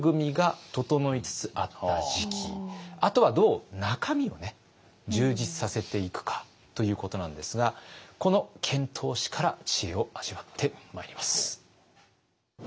あとはどう中身を充実させていくかということなんですがこの遣唐使から知恵を味わってまいります。